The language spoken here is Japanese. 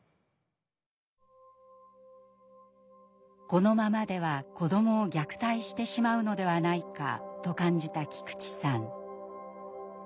このままでは子どもを虐待してしまうのではないかと感じた菊池さん。